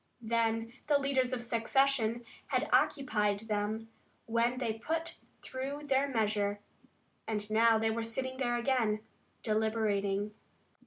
Then the leaders of secession had occupied them, when they put through their measure, and now they were sitting there again, deliberating.